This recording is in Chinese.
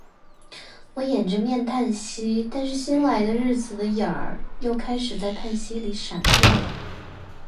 我掩着面叹息。但是新来的日子的影儿又开始在叹息里闪过了。